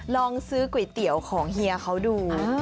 ลองซื้อก๋วยเตี๋ยวของเฮียเขาดู